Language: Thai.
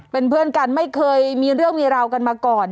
เป็นเพื่อนกันไม่เคยมีเรื่องมีราวกันมาก่อน